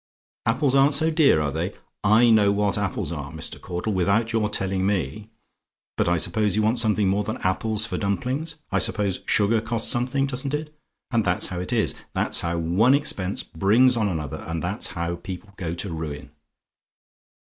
"APPLES AREN'T SO DEAR, ARE THEY? "I know what apples are, Mr. Caudle, without your telling me. But I suppose you want something more than apples for dumplings? I suppose sugar costs something, doesn't it? And that's how it is. That's how one expense brings on another, and that's how people go to ruin.